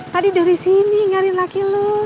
tadi dari sini ngariin laki lu